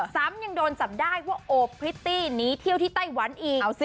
ซ้ำยังโดนจับได้ว่าโอบพริตตี้หนีเที่ยวที่ไต้หวันอีก